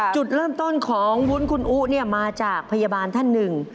จุดเริ่มต้นของวุ้นคุณอุ๊มาจากพยาบาลท่านหนึ่ง